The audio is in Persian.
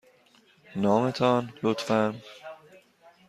نام تان، لطفاً.